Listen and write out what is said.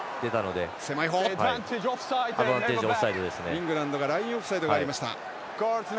イングランドにラインオフサイドありました。